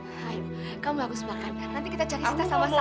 hai kamu harus makan ya nanti kita cari sita sama sama